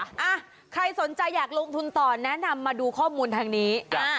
อ่ะใครสนใจอยากลงทุนต่อแนะนำมาดูข้อมูลทางนี้